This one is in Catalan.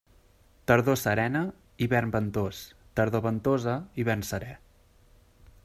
Tardor serena, hivern ventós; tardor ventosa, hivern seré.